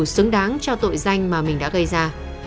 xứng đáng cho tội danh mà mình đã gây ra